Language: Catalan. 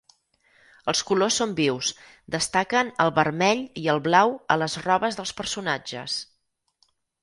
Els colors són vius, destaquen el vermell i el blau a les robes dels personatges.